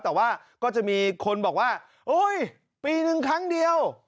แต่ว่าก็จะมีคนบอกว่าโอ๊ยปีหนึ่งครั้งเดียว